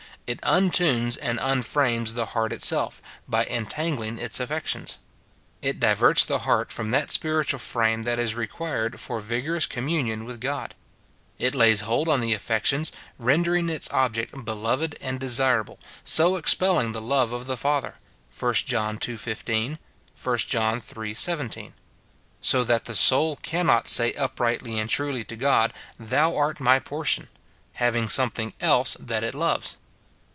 It untunes and unframes the heart itself, by en tanfflinor its affections. It diverts the heart from that spiritual frame that is required for vigorous communion with God ; it lays hold on the affections, rendering its object beloved and desirable, so expelling the love of the Father, 1 John ii. 15, iii. 17 ; so that the soul cannot say uprightly and truly to God, " Thou art my portion," SIN IN BELIEVERS. 179 having sometliing else that it loves.